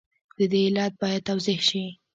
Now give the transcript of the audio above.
د دې علت باید توضیح شي.